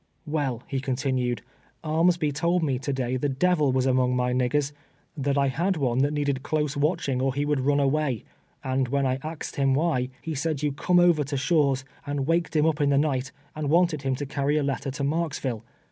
" Vrell," he continued, " Armsby told me to day the devil was among nsy niggers ; that I had one that needed close watching or he would run away ; and when I axed him why, he said you come over to 234 TWELVE TEAKS A SLAVE. Sliinv's, aiul waked him \ij> in tlie nia lit, and wanted liini ti) carry a letter to ^[arksville.